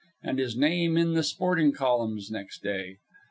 and his name in the sporting columns next day.